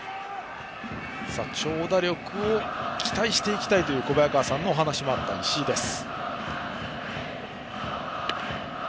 長打力を期待していきたいという小早川さんからのお話もあった石井です。